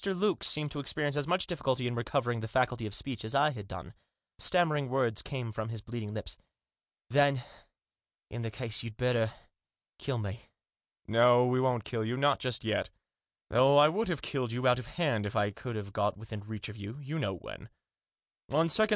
Luke seemed to experience as much difficulty in recovering the faculty of speech as I had done. Stammering words came from his bleeding lips, " Then — in that case — you'd better — kill me." " No : we won't kill you, not just yet ; though I would have killed you out of hand, if I could have got within reach of you — you know when. On second Digitized by THE GOD OUT OF THE MACHINE.